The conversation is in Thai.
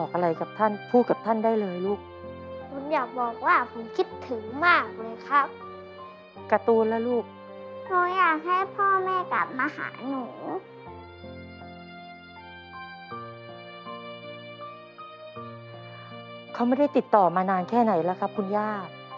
เขาไม่ได้ติดต่อมานานแค่ไหนแล้วครับคุณย่า